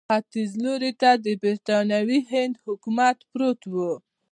ختیځ لوري ته د برټانوي هند حکومت پروت وو.